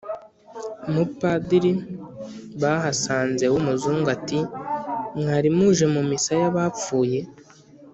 Umupadiri bahasanze w' umuzungu ati: "Mwari muje mu Misa y' abapfuye?